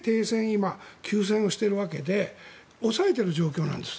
今、休戦しているわけで抑えている状況なんです。